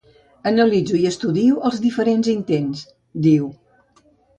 Analitzo i estudio els diferents intents, diu.